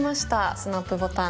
スナップボタン。